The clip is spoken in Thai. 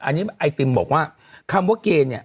อันนี้ไอติมบอกว่าคำว่าเกณฑ์เนี่ย